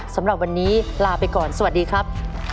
สำหรับวันนี้ลาไปก่อนสวัสดีครับ